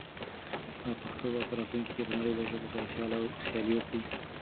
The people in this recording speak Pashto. پښتو به په راتلونکي کې د نړۍ له ژبو سره سیالي وکړي.